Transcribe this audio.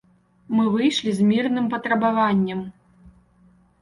Мы выйшлі з мірным патрабаваннем.